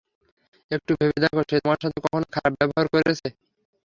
একটু ভেবে দেখো, সে তোমার সাথে কখনো খারাপ ব্যবহার করেছে?